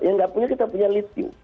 yang tidak punya kita punya litium